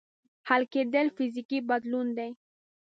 حل کېدل فزیکي بدلون دی.